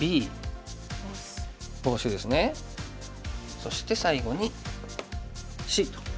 そして最後にＣと。